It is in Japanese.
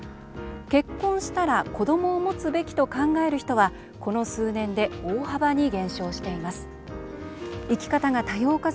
「結婚したら子どもを持つべき」と考える人はこの数年で大幅に減少しています。